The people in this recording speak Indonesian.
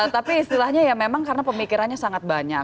tapi istilahnya ya memang karena pemikirannya sangat banyak